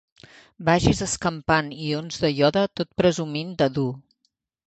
Vagis escampant ions de iode tot presumint de dur.